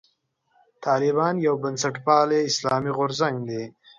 طالبان یو بنسټپالی اسلامي غورځنګ دی.